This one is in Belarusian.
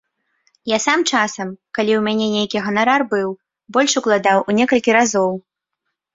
Я сам часам, калі ў мяне нейкі ганарар быў, больш укладаў у некалькі разоў.